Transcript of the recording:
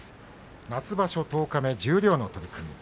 夏場所十日目、十両の取組